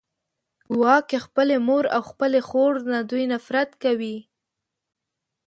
ګواکې خپلې مور او خپلې خور نه دوی نفرت کوي